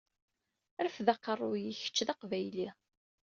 Rfed aqeṛṛu-yik kečč d aqbayli!